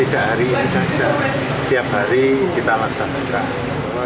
jadi kita laksanakan